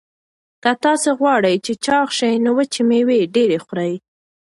که تاسي غواړئ چې چاغ شئ نو وچې مېوې ډېرې خورئ.